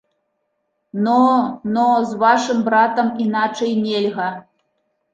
Но, но, з вашым братам іначай нельга.